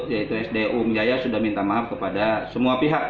yaitu sd umjaya sudah minta maaf kepada semua pihak